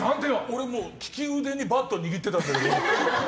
俺もう、利き腕にバッド握ってたんだけど。